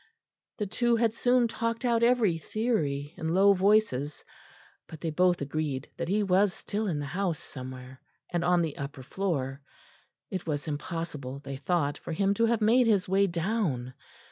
The two had soon talked out every theory in low voices, but they both agreed that he was still in the house somewhere, and on the upper floor. It was impossible, they thought, for him to have made his way down.